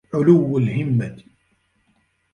عُلُوُّ الْهِمَّةِ